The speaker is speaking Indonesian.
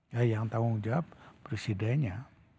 ya yang tanggung jawab presidennya